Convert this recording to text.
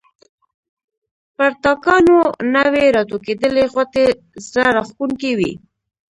پر تاکانو نوي راټوکېدلي غوټۍ زړه راکښونکې وې.